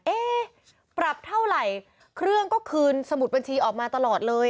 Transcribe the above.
ปรับเท่าไหร่เครื่องก็คืนสมุดบัญชีออกมาตลอดเลย